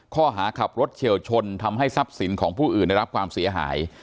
ข้อหาขับรถเฉียวชนทำให้ทรัพย์สินของผู้อื่นได้รับความเสียหาย